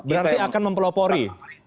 berarti akan mempelopori